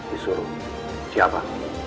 di suruh siapa